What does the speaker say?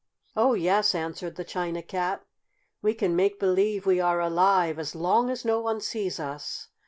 "Oh, yes," answered the China Cat. "We can make believe we are alive as long as no one sees us.